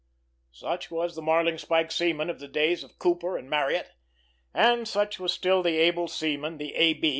Such was the marling spike seaman of the days of Cooper and Marryat, and such was still the able seaman, the "A.